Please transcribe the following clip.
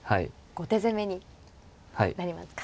５手詰めになりますか。